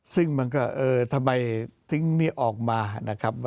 ซึ่งมันก็เออทำไมทิ้งนี้ออกมานะครับ